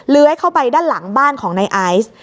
ลื้อยเข้าไปหลังของในอากาศ